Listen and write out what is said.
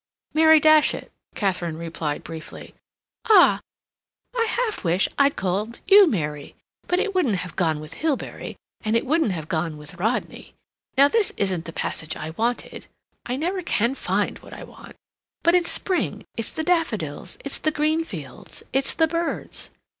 "Mary Datchet," Katharine replied briefly. "Ah—I half wish I'd called you Mary, but it wouldn't have gone with Hilbery, and it wouldn't have gone with Rodney. Now this isn't the passage I wanted. (I never can find what I want.) But it's spring; it's the daffodils; it's the green fields; it's the birds."